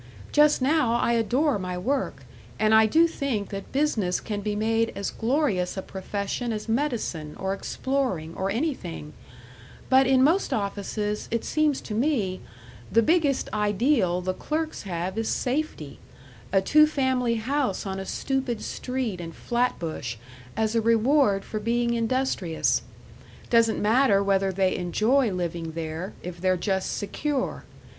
Just now I adore my work, and I do think that business can be made as glorious a profession as medicine, or exploring, or anything, but in most offices, it seems to me, the biggest ideal the clerks have is safety a two family house on a stupid street in Flatbush as a reward for being industrious. Doesn't matter whether they enjoy living there, if they're just secure.